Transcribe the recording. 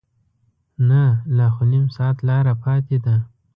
نه لا خو نیم ساعت لاره پاتې ده.